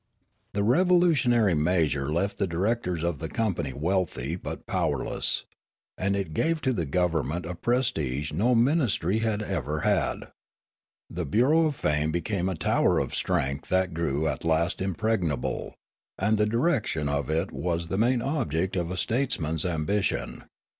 The revolutionary measure left the directors of the company wealthy but powerless. And it gave to the government a prestige no ministry had ever had. The Bureau of Fame became a tower of strength that grew at last impregnable ; and the direction of it was the main object of a statesman's ambition.